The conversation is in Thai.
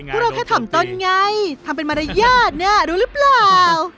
พวกเราแค่ถ่อมต้นไงทำเป็นมารยาทเนี่ยรู้หรือเปล่า